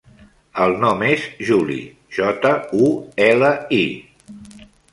El nom és Juli: jota, u, ela, i.